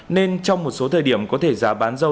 nên trong một số thời điểm có thể giá bán rau